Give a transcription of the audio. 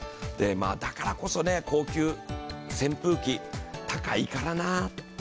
だからこそ高級扇風機、高いからなあ。